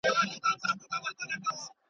پاته په دې غرو کي د پېړیو حسابونه دي.